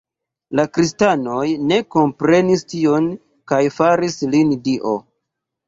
La kristanoj ne komprenis tion kaj faris lin dio.